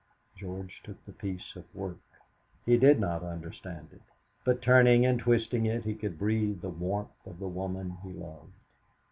George took the piece of work. He did not understand it, but turning and twisting it he could breathe the warmth of the woman he loved.